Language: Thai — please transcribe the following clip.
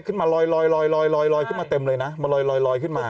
ขึ้นมาลอยลอยลอยขึ้นมาเต็มเลยนะมาลอยลอยขึ้นมา